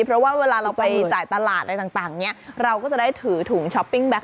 เพราะว่าเวลาเราไปจ่ายตลาดอะไรต่างเนี่ยเราก็จะได้ถือถุงช้อปปิ้งแก๊